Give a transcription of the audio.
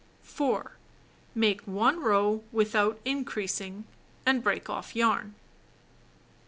4. Make 1 row without increasing and break off yarn.